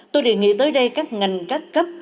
tôi đề nghị tới đây các ngành các cấp